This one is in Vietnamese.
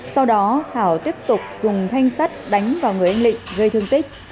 sau đó thảo tiếp tục dùng thanh sắt đánh vào người anh lịnh gây thương tích